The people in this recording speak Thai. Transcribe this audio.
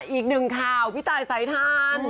อีกหนึ่งข่าวพี่ตายสายทาน